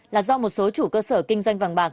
là do một số chủ cơ sở kinh doanh vàng bạc